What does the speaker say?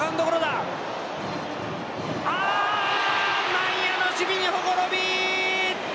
内野の守備にほころび！